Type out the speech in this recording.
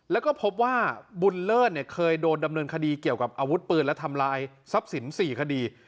แล้วก็พบว่าบุญเลิศเคยโดนดำเนินคดีเกี่ยวกับอาวุธปืนและทำลายทรัพย์สิน๔คดี